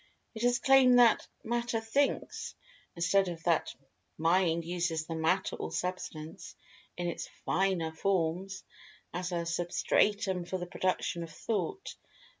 It has claimed that "Matter Thinks," instead of that Mind uses the Matter or Substance, in its finer forms, as a substratum for the production of Thought.